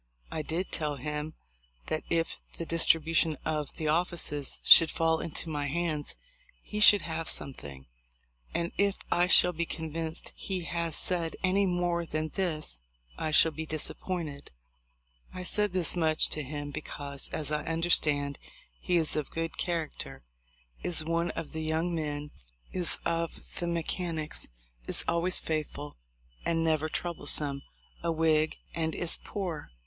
I did tell him that if the distribution of the offices should fall into my hands he should have something; and if I shall be convinced he has said any more than this I shall be disappointed. I said this much to him because, as I understand, he is of good character, is one of the young men, is of the mechanics, is always faithful and never troublesome, a Whig, and is poor, THE LIFE OF LINCOLN.